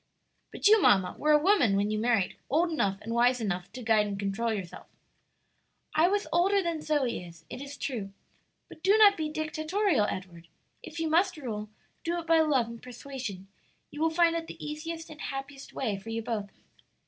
"But you, mamma, were a woman when you married, old enough and wise enough to guide and control yourself." "I was older than Zoe is, it is true; but do not be dictatorial, Edward; if you must rule, do it by love and persuasion; you will find it the easiest and happiest way for you both."